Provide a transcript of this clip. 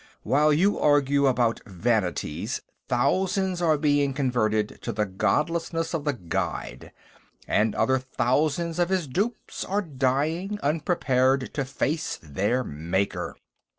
"While you argue about vanities, thousands are being converted to the godlessness of The Guide, and other thousands of his dupes are dying, unprepared to face their Maker!"